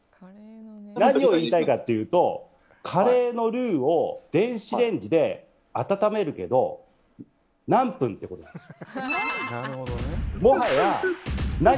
何を言いたいかっていうとカレーのルーを電子レンジで温めるけど何分ってことなんです。